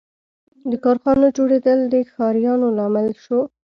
• د کارخانو جوړېدل د ښاریاتو لامل شو.